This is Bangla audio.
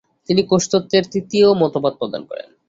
তিনি কোষতত্ত্বের তৃতীয় মতবাদ প্রদান করেন।